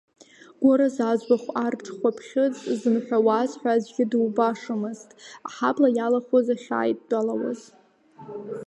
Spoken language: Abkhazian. Гәыраз аӡбахә, арҽхәаԥхьыӡ зымҳәауаз ҳәа аӡәгьы дубашамызт аҳабла иалахәыз ахьааидтәалауаз…